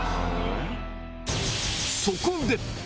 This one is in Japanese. そこで！